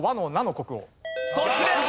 そっちです！